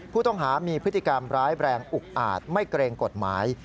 ผู้ต้องหามีพฤติกรรมร้ายแรงอุกอาจไม่เกรงกฎหมาย